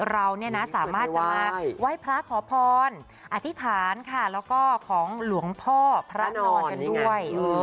เราเนี่ยนะสามารถจะมาไหว้พระขอพรอธิษฐานค่ะแล้วก็ของหลวงพ่อพระนอนกันด้วย